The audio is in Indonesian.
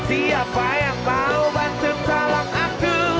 siapa yang mau bantu salam aku